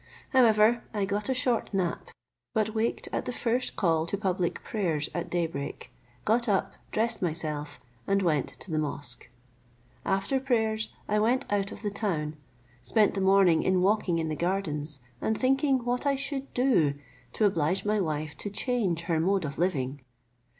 However, I got a short nap; but waked at the first call to public prayers at day break, got up, dressed myself, and went to the mosque. After prayers I went out of the town, spent the morning in walking in the gardens, and thinking what I should do to oblige my wife to change her mode of living.